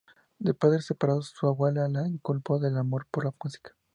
De padres separados, su abuela le inculcó el amor por la música.